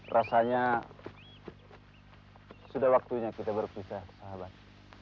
rasanya sudah waktunya kita berpisah sahabat